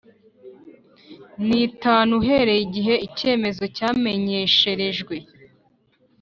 N itanu uhereye igihe icyemezo cyamenyesherejwe